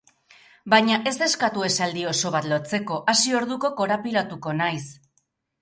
Baina ez eskatu esaldi oso bat lotzeko, hasi orduko korapilatuko naiz.